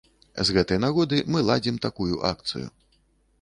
З гэтай нагоды мы ладзім такую акцыю.